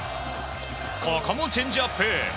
ここもチェンジアップ！